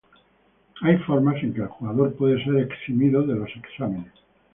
Hay formas en que el jugador puede ser eximido de los exámenes.